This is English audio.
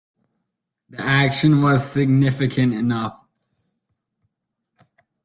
The action was significant enough.